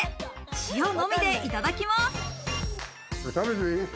塩のみでいただきます。